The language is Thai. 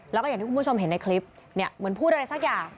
แล้วก็อย่างที่คุณผู้ชมเห็นในคลิปเนี่ยเหมือนพูดอะไรสักอย่าง